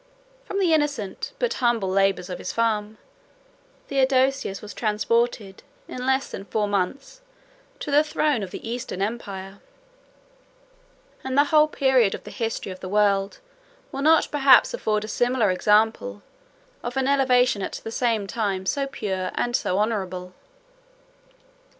112 From the innocent, but humble labors of his farm, Theodosius was transported, in less than four months, to the throne of the Eastern empire; and the whole period of the history of the world will not perhaps afford a similar example, of an elevation at the same time so pure and so honorable.